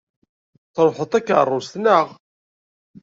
Trebḥeḍ-d takeṛṛust, naɣ?